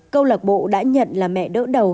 công lạc bộ đã nhận là mẹ đỡ đầu